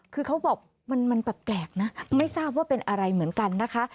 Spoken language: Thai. คือเขาบอกมันแปลกนะไม่ทราบว่าเป็นอะไรเหมือนกันนะคะ